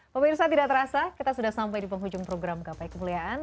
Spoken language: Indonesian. bapak ibu irsa tidak terasa kita sudah sampai di penghujung program gapai kemuliaan